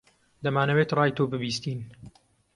دەمانەوێت ڕای تۆ ببیستین.